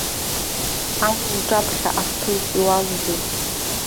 Ан лҿаԥхьа ахҭылҵ иуалузеи?